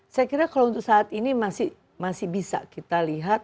saya kira kalau untuk saat ini masih bisa kita lihat